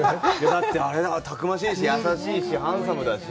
だってあれ、たくましいし、優しいし、ハンサムだし。